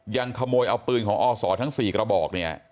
ยังขโมยเอาปืนของอศทั้ง๔กระบอกเนี่ย